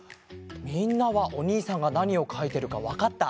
みんなはおにいさんがなにをかいてるかわかった？